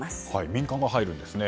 民間が入るんですね。